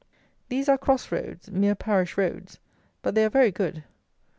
These are cross roads, mere parish roads; but they are very good.